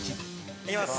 いきます。